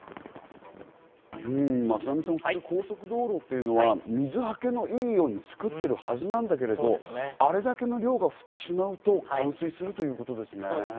松並さん、高速道路というのは水はけのいいように作っているはずなんだけれども、あれだけの量が増えてしまうと冠水するということですね。